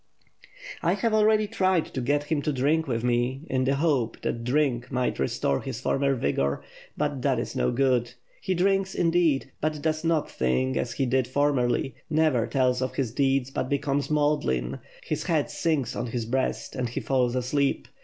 "I have already tried to get him to drink with me, in the hope that drink might restore his former vigor — but that is no good. He drinks, indeed, but does not think as he did formeriy; never tells of his deeds, but becomes maudlin; his head sinks on his breast and he falls asleep.